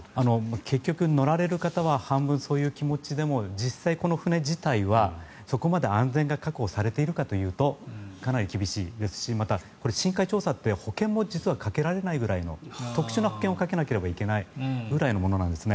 結局、乗られる方は半分そういう気持ちでも実際、この船自体はそこまで安全が確保されているかというとかなり厳しいですし深海調査って保険も実はかけられないくらいの特殊な保険をかけないといけないくらいのものなんですね。